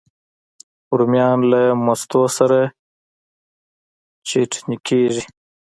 رومیان له مستو سره چټني کېږي